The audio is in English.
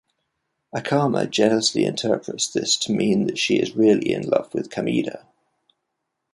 Akama jealously interprets this to mean that she is really in love with Kameda.